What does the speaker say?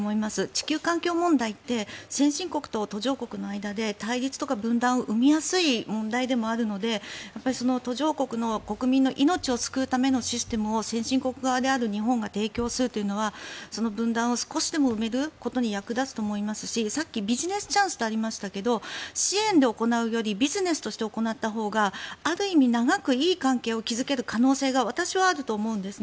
地球環境問題って先進国と途上国の間で対立とか問題を生みやすい問題でもあるのでその途上国の国民の命を救うためのシステムを先進国側である日本が提供するというのはその分断を少しでも埋めることに役立つと思いますしさっきビジネスチャンスとありましたが支援で行うよりビジネスとして行ったほうがある意味長く、いい関係を築ける可能性は私はあると思うんです。